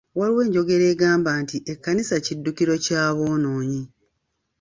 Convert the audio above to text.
Waliwo enjogera egamba nti ekkanisa kiddukiro ky’aboononyi.